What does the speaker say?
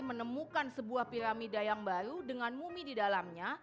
menemukan sebuah piramida yang baru dengan mumi di dalamnya